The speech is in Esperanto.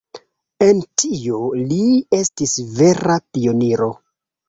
En tio, li estis vera pioniro.